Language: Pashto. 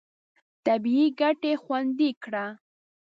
طبیعي ګټې خوندي کړه.